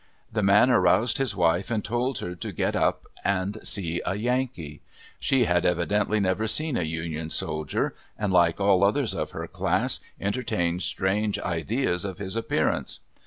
The man aroused his wife and told her to get up and see a Yankee. She had evidently never seen a Union soldier and, like all others of her class, entertained strange ideas of his appearance.